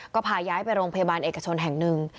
ก็พาย้ายไปโรงพยาบาลเอกชนแห่งหนึ่ง